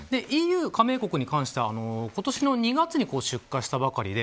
ＥＵ加盟国に関しては今年の２月に出荷したばかりで